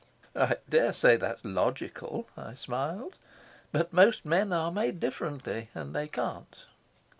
"I dare say that's logical," I smiled, "but most men are made differently, and they can't."